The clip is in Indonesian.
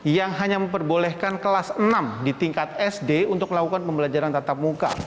yang hanya memperbolehkan kelas enam di tingkat sd untuk melakukan pembelajaran tatap muka